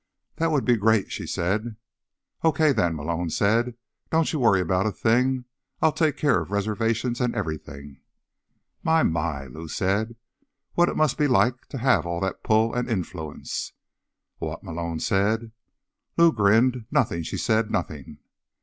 "That would be great," she said. "Okay, then," Malone said. "Don't you worry about a thing, I'll take care of reservations and everything." "My, my," Lou said. "What it must be like to have all that pull and influence." "What?" Malone said. Lou grinned. "Nothing," she said. "Nothing."